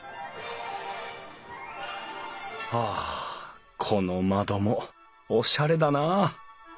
あこの窓もおしゃれだな。